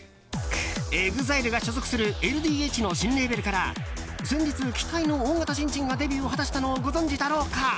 ＥＸＩＬＥが所属するＬＤＨの新レーベルから先日、期待の大型新人がデビューを果たしたのをご存じだろうか？